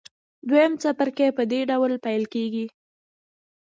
دویم څپرکی په دې ډول پیل کیږي.